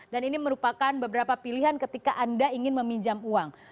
dan ini merupakan beberapa pilihan ketika anda ingin meminjam uang